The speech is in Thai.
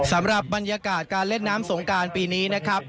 สำหรับบรรยากาศการเล่นน้ำสงการปีนี้นะครับ